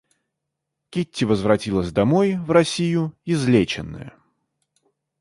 Кити возвратилась домой, в Россию, излеченная.